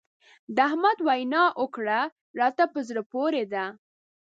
د احمد وينا او کړه راته په زړه پورې دي.